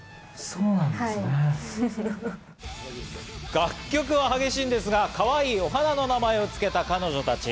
楽曲は激しいんですが、かわいいお花の名前を付けた彼女たち。